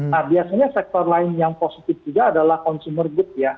nah biasanya sektor lain yang positif juga adalah consumer good ya